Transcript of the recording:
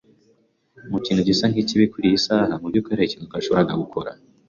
Ikintu gisa nkikibi kuriyi saha. Mubyukuri hari ikintu twashoboraga gukora?